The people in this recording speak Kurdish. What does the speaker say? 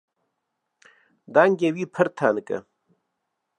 Dengê wî pir tenik e.